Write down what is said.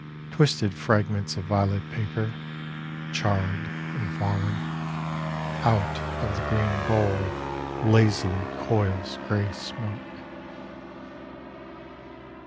Twisted fragments of violet paper, Charred and fallen: Out of the green bowl lazily coils grey smoke.